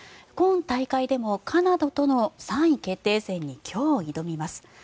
今大会でもカナダとの３位決定戦に今日、挑みます。